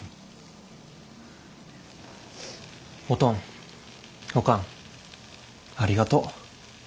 おとんおかんありがとう。